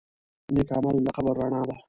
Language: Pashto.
نیک عمل د قبر رڼا ده.